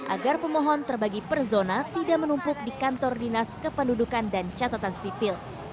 agar pemohon terbagi per zona tidak menumpuk di kantor dinas kependudukan dan catatan sipil